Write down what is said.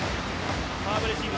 サーブレシーブ